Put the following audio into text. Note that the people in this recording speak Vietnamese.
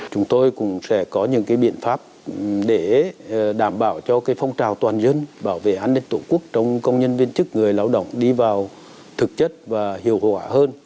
chúng tôi cũng sẽ có những biện pháp để đảm bảo cho phong trào toàn dân bảo vệ an ninh tổ quốc trong công nhân viên chức người lao động đi vào thực chất và hiệu quả hơn